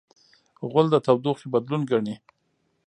غول د تودوخې بدلون ګڼي.